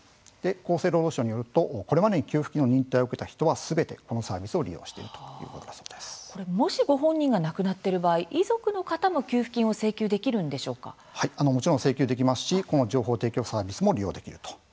厚生労働省によると、これまでに給付金の認定を受けた人はすべて、このサービスを利用しているもし、ご本人が亡くなっている場合遺族の方ももちろん請求できますしこの情報提供サービスも利用できると。